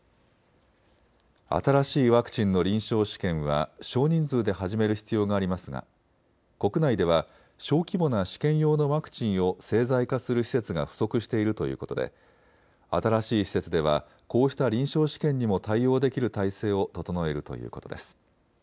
新しいワクチンの臨床試験は少人数で始める必要がありますが国内では小規模な試験用のワクチンを製剤化する施設が不足しているということで新しい施設ではこうした臨床試験にも対応できる体制を整えるということです。